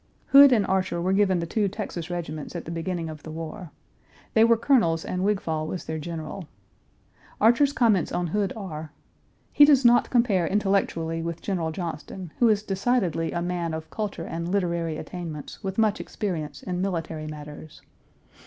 Page 319 Hood and Archer were given the two Texas regiments at the beginning of the war. They were colonels and Wigfall was their general. Archer's comments on Hood are: "He does not compare intellectually with General Johnston, who is decidedly a man of culture and literary attainments, with much experience in military matters.